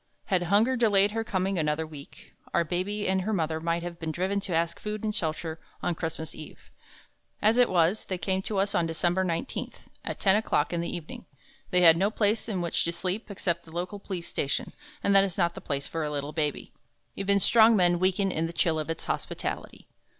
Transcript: Had Hunger delayed her coming another week, Our Baby and her mother might have been driven to ask food and shelter on Christmas Eve. As it was, they came to us on December 19th, at ten o'clock in the evening. They had no place in which to sleep except the local police station, and that is not the place for a little baby even strong men weaken in the chill of its hospitality.